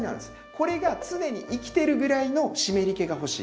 これが常に生きてるぐらいの湿り気が欲しい。